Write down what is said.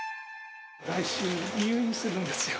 来週、入院するんですよ。